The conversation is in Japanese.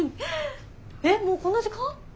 えっもうこんな時間？